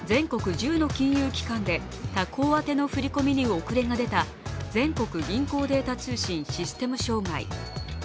１０の金融機関で他行宛ての振り込みに遅れが出た全国銀行データ通信システム障害。